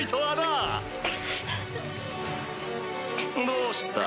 どうした？